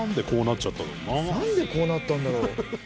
なんでこうなったんだろう？